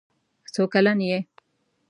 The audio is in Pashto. څو کلن یې.